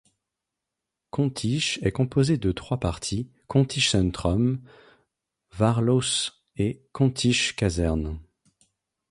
Kontich est composée de trois parties: Kontich Centrum, Waarloos et Kontich Kazerne.